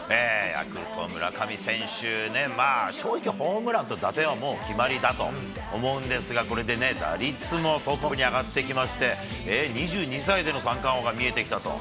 ヤクルト、村上選手、まあ正直ホームランと打点はもう決まりだと思うんですが、これで打率も相当上がってきまして、２２歳での三冠王が見えてきたと。